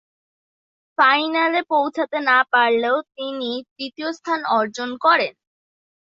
ফাইনালে পৌঁছাতে না পারলেও তিনি তৃতীয় স্থান অর্জন করেন।